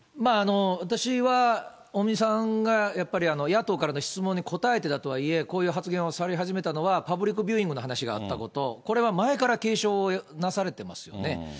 私は尾身さんがやっぱり野党からの質問に答えてだとはいえ、こういう発言をされ始めたのは、パブリックビューイングの話があったこと、これは前から警鐘を出されてますよね。